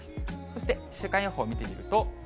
そして週間予報見てみると。